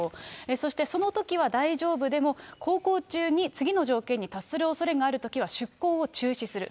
そして、そのときは大丈夫でも、航行中に次の条件に達するおそれがあるときは、出航を中止する。